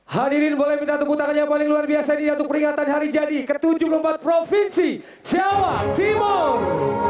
hadirin boleh minta tepuk tangan yang paling luar biasa ini yaitu peringatan hari jadi ke tujuh puluh empat provinsi jawa timur